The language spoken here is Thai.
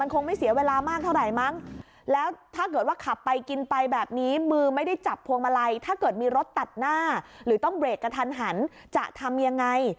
คงไม่เสียเวลามากเท่าไหร่มั้งแล้วถ้าเกิดว่าขับไปกินไปแบบนี้มือไม่ได้จับพวงมาลัยถ้าเกิดมีรถตัดหน้าหรือต้องเบรกกระทันหันจะทำยังไง